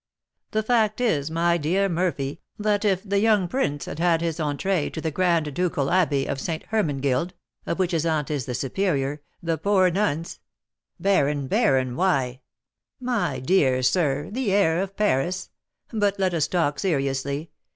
"The fact is, my dear Murphy, that if the young Prince Henry had had his entrée to the grand ducal abbey of Ste. Hermenegilde, of which his aunt is the superior, the poor nuns " "Baron! baron! why " "My dear sir, the air of Paris But let us talk seriously.